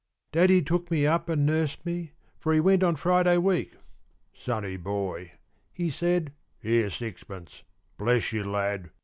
Daddy took me up and nursed me 'For he went on Friday week; "Sonny boy," he said, "Here's sixpence, Bless you, lad!"